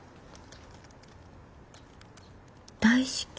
大至急。